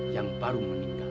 yang baru meninggal